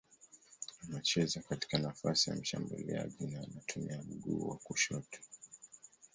Anacheza katika nafasi ya mshambuliaji na anatumia mguu wa kushoto.